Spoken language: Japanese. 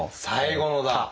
最後のだ！